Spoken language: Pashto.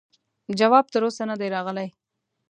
جواب تر اوسه نه دی راغلی.